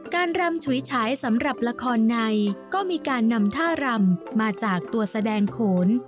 รำฉุยฉายสำหรับละครในก็มีการนำท่ารำมาจากตัวแสดงโขน